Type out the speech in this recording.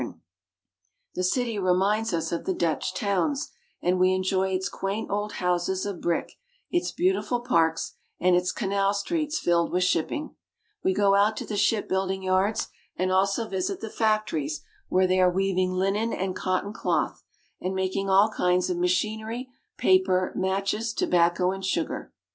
TRAVELS IN NORWAY AND SWEDEN. 181 The city reminds us of the Dutch towns, and we enjoy its quaint old houses of brick, its beautiful parks, and its canal streets filled with shipping. We go out to the ship building yards, and also visit the factories where they are weaving linen and cotton cloth, and making all kinds of machinery, paper, matches, tobacco, and sugar.